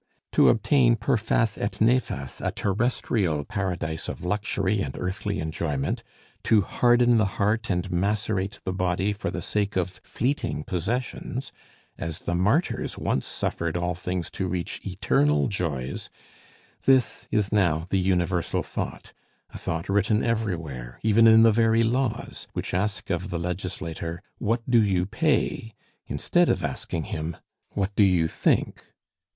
To obtain per fas et nefas a terrestrial paradise of luxury and earthly enjoyment, to harden the heart and macerate the body for the sake of fleeting possessions, as the martyrs once suffered all things to reach eternal joys, this is now the universal thought a thought written everywhere, even in the very laws which ask of the legislator, "What do you pay?" instead of asking him, "What do you think?"